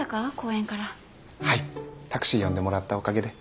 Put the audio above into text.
はいタクシー呼んでもらったおかげで。